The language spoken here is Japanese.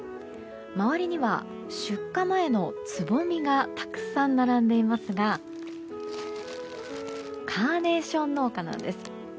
周りには出荷前のつぼみがたくさん並んでいますがカーネーション農家なんです。